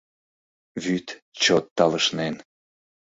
Вӱд чот талышнен